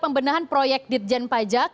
pembenahan proyek ditjen pajak